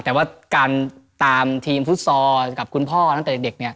แต่ว่าการตามทีมฟุตซอลกับคุณพ่อตั้งแต่เด็กเนี่ย